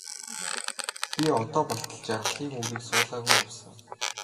Би одоо болтол жаргалын үрийг суулгаагүй явсан.